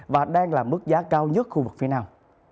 và đang là mức giá cao nhất khu vực phía nam